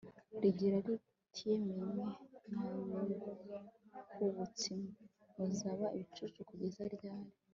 rigira ritiyemwe, mwa bihubutsi mwe, muzaba ibicucu kugeza ryari